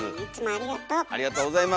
ありがとうございます。